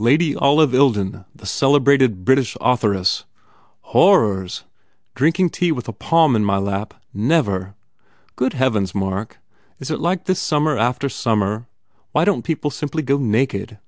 Lady Olive Ilden, the celebrated British author ess?" "Horrors! Drinking tea with a Pom in my lap. Never! Good heavens, Mark, is it like this summer after summer? Why don t people simply go naked?"